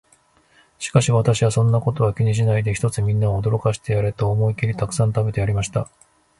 しかし私は、そんなことは気にしないで、ひとつみんなを驚かしてやれと思って、思いきりたくさん食べてやりました。